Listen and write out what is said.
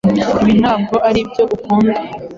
Ibi ntabwo aribyo akunda